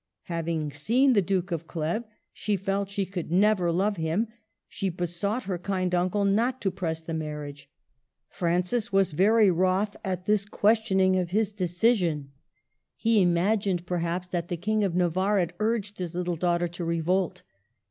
Hav ing seen the Duke of Cleves, she felt she could never love him ; she besought her kind uncle not to press the marriage. Francis was very wroth at this questioning of his decision. He A FALSE STEP. 1 83 imagined, perhaps, that the King of Navarre had urged his Httle daughter to revolt.